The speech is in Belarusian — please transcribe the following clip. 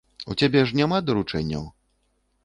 У цябе ж няма даручэнняў?